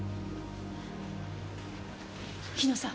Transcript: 日野さん